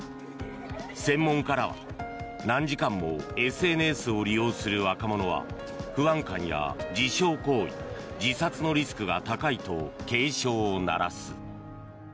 専門家らは何時間もＳＮＳを利用する若者は不安感や自傷行為、自殺のリスクが高いと警鐘を鳴らす。